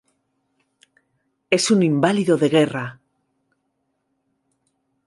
Es un inválido de guerra.